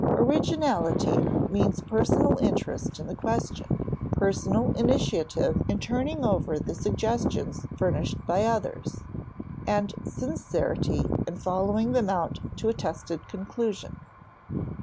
Originality means personal interest in the question, personal initiative in turning over the suggestions furnished by others, and sincerity in following them out to a tested conclusion.